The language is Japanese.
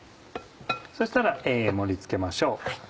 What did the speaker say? そしたら盛り付けましょう。